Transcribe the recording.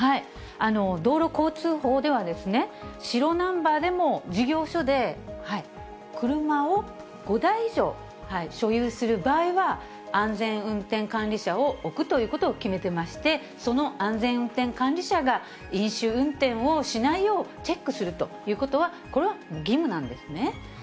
道路交通法では、白ナンバーでも、事業所で車を５台以上所有する場合は、安全運転管理者を置くということを決めてまして、その安全運転管理者が飲酒運転をしないようチェックするということは、これは義務なんですね。